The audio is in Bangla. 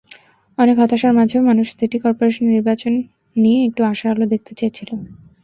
অনেক হতাশার মাঝেও মানুষ সিটি করপোরেশন নির্বাচন নিয়ে একটু আশার আলো দেখতে চেয়েছিল।